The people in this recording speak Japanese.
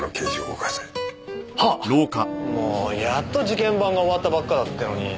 もうやっと事件番が終わったばっかだってのに。